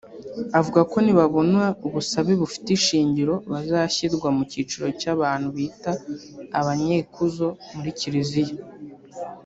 Avuga ko nibabona ubusabe bufite ishingiro bazashyirwa mu cyiciro cy’abantu bita abanyekuzo muri Kiliziya